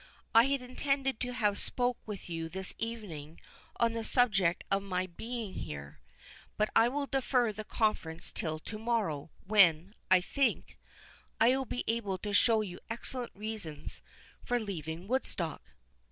I had intended to have spoke with you this evening on the subject of my being here; but I will defer the conference till to morrow, when, I think, I will be able to show you excellent reasons for leaving Woodstock."